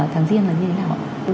tháng riêng là như thế nào